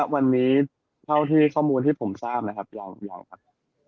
วันนี้เท่าที่ข้อมูลที่ผมทราบนะครับเราครับ